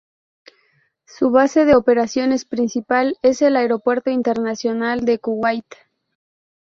Su base de operaciones principal es el Aeropuerto Internacional de Kuwait.